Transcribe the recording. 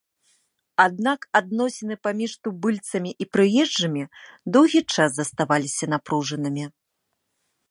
Аднак адносіны паміж тубыльцамі і прыезджымі доўгі час заставаліся напружанымі.